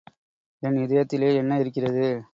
என் இதயத்திலே என்ன இருக்கிறது?